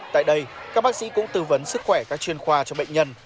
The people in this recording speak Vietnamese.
tại đây các bác sĩ cũng tư vấn sức khỏe các chuyên khoa cho bệnh nhân